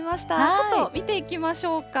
ちょっと見ていきましょうか。